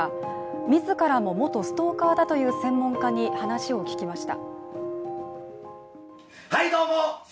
自らも元ストーカーだという専門家に話を聞きました。